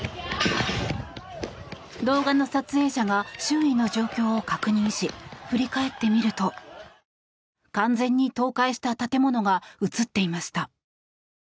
動画の撮影者が周囲の状況を確認し振り返ってみると完全に倒壊した建物が映っていました。